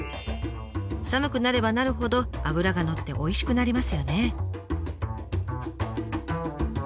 寒くなればなるほど脂がのっておいしくなりますよね。